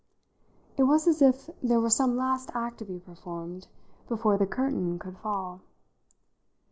It was as if there were some last act to be performed before the curtain could fall.